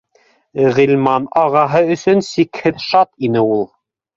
Ғилман ағаһы өсөн сикһеҙ шат ине ул